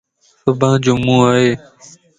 صبح جمع ائي